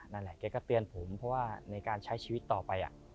นั่นแหละแกก็เตือนผมเพราะว่าในการใช้ชีวิตต่อไป